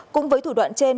cùng với thủ đoạn trên